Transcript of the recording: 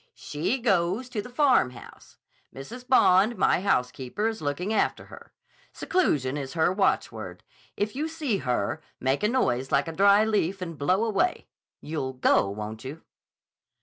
"She goes to the Farmhouse. Mrs. Bond, my housekeeper, is looking after her. Seclusion is her watchword. If you see her, make a noise like a dry leaf and blow away. You'll go, won't you?"